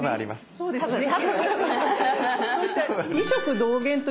そうですね。